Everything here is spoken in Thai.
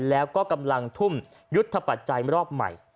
แล้วก็กำลังทุ่มยุทธปัจจัยรอบใหม่